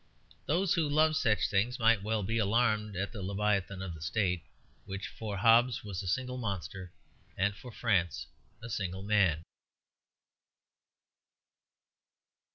Those who loved such things might well be alarmed at the Leviathan of the State, which for Hobbes was a single monster and for France a single man.